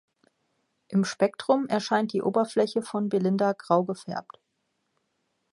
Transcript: Im Spektrum erscheint die Oberfläche von Belinda grau gefärbt.